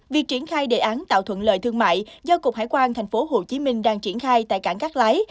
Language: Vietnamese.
việc triển khai đề án tạo thuận lợi thương mại do cục hải quan tp hcm đang triển khai tại cảng cát lái